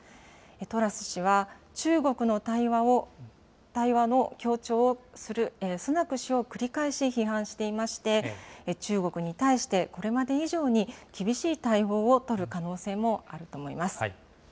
トラス氏は、中国の対話の強調するスナク氏を繰り返し批判していまして、中国に対して、これまで以上に厳しい対応を取る可能性もあると思います。